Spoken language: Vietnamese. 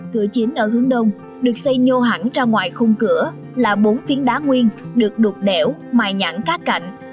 cửa chính ở hướng đông được xây nhô hẳn ra ngoài khung cửa là bốn phiến đá nguyên được đột đẻo mài nhẵn các cạnh